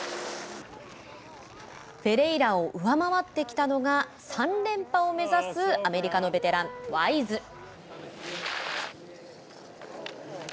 フェレイラを上回ってきたのが三連覇を目指すアメリカのベテラン、ワイズ。